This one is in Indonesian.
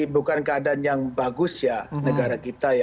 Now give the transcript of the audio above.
bukan keadaan yang bagus ya negara kita ya